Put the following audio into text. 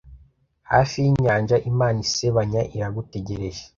hafi yinyanja, imana isebanya iragutegereje